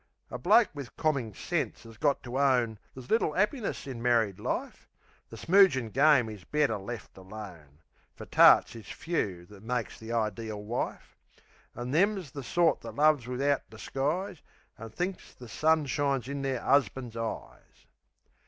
A bloke wiv commin sense 'as got to own There's little 'appiness in married life. The smoogin' game is better left alone, Fer tarts is few that makes the ideel wife. An' them's the sort that loves wivout disguise, An' thinks the sun shines in their 'usban's' eyes.